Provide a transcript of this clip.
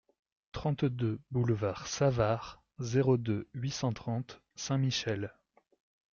trente-deux boulevard Savart, zéro deux, huit cent trente Saint-Michel